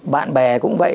bạn bè cũng vậy